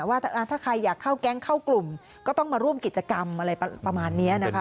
ว่าถ้าใครอยากเข้าแก๊งเข้ากลุ่มก็ต้องมาร่วมกิจกรรมอะไรประมาณนี้นะคะ